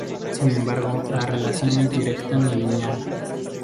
Sin embargo la relación no es directa ni lineal.